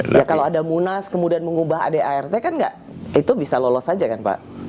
ya kalau ada munas kemudian mengubah adart kan itu bisa lolos saja kan pak